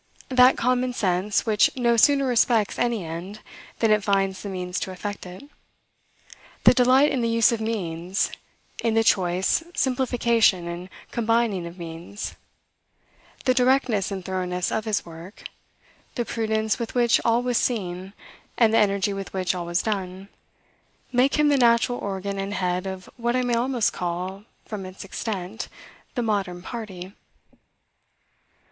That common sense, which no sooner respects any end, than it finds the means to effect it; the delight in the use of means; in the choice, simplification, and combining of means; the directness and thoroughness of his work; the prudence with which all was seen, and the energy with which all was done, make him the natural organ and head of what I may almost call, from its extent, the modern party.